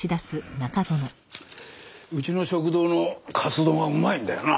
うちの食堂のカツ丼はうまいんだよな。